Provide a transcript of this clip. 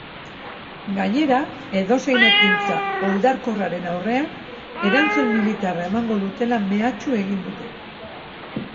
Gainera, edozein ekintza oldarkorraren aurrean erantzun militarra emango dutela mehatxu egin dute.